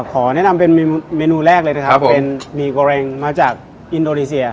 ขอแนะนำเป็นเมนูแรกเลยนะครับผมเป็นหมี่โกเร็งมาจากอินโดนีเซีย